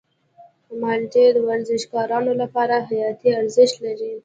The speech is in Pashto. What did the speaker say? مالټې د ورزشکارانو لپاره حیاتي ارزښت لري.